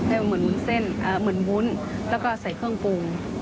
เหมือนวุ้นเส้นเหมือนวุ้นแล้วก็ใส่เครื่องปรุง